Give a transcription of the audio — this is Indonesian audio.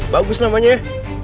bagus namanya ya